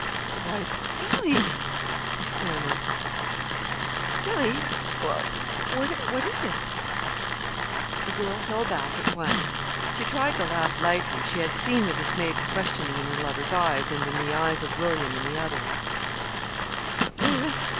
"Why Billy!" he stammered. "Billy, what is it?" The girl fell back at once. She tried to laugh lightly. She had seen the dismayed questioning in her lover's eyes, and in the eyes of William and the others.